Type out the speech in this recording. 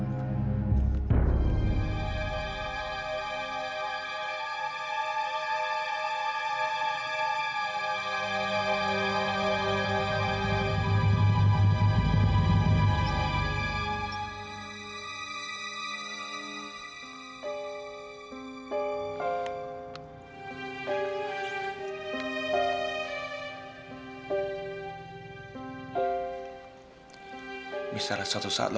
misalnya suatu saat lo espero saya satu saat lo